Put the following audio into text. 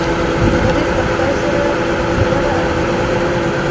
غریب له خدای سره ژور اړیکه لري